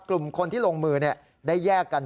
กลุ่มคนที่ลงมือได้แยกกัน